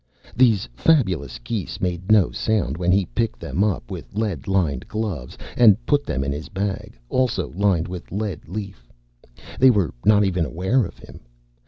These fabulous geese made no sound when he picked them up with lead lined gloves and put them in his bag, also lined with lead leaf. They were not even aware of him.